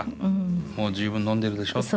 もう十分飲んでいるでしょうと。